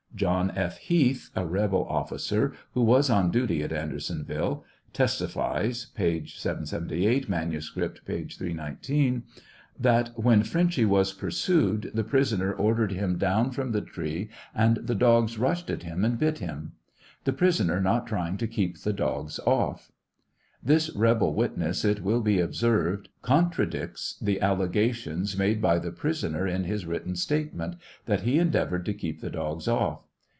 John F. Heath, a rebel officer who was on duty at Andersonville, testifies (p. 778; manuscript, p. 319) that TRIAL OF HENEY WIRZ. 78^5 when " Fienchy" was pursued the prisoner ordered him down from the tree and the dogs rushed at him and bit him, the prisoner not trying to keep the dogs off. This rebel witness, it will be observed, contradicts the allegation made by the prisoner in his written statement, that he endeavored to keep the dogs off.